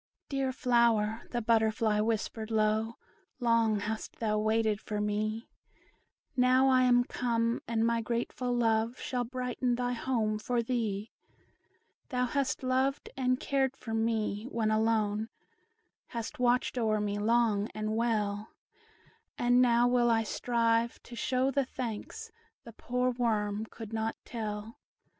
"Dear flower," the butterfly whispered low, "Long hast thou waited for me; Now I am come, and my grateful love Shall brighten thy home for thee; Thou hast loved and cared for me, when alone, Hast watched o'er me long and well; And now will I strive to show the thanks The poor worm could not tell.